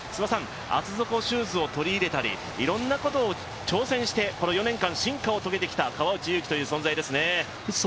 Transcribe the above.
厚底シューズを取り入れたりいろんなことを試して進化を遂げてきた川内優輝という存在ですね。